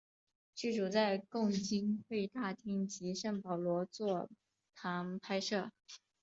剧组在共济会大厅及圣保罗座堂拍摄。